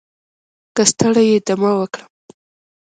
که ستړی یې دمه وکړه